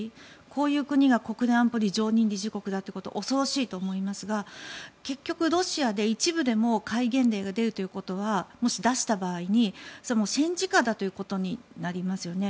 こういう国が国連安保理の常任理事国だということは恐ろしいと思いますが結局ロシアで一部でも戒厳令が出るということはもし出した場合戦時下だということになりますよね。